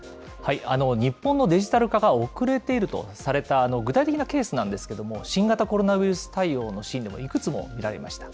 日本のデジタル化が遅れているとされた具体的なケースなんですけれども、新型コロナウイルス対応のシーンでも、いくつも見られました。